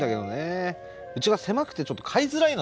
うちが狭くてちょっと飼いづらいのよ。